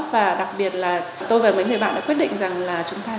và đặc biệt là tôi và mấy người bạn đã quyết định